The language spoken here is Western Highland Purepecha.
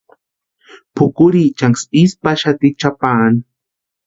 Pʼukurhiichanksï isï paxati chʼapaani.